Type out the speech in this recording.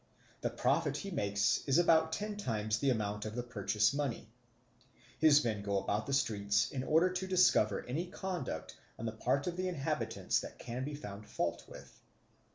The profit he makes is about ten times the amount of the purchase money. His men go about the streets in order to discover any conduct on the part of the inhabitants that can be found fault with.